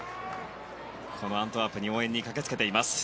アントワープに応援に駆けつけています。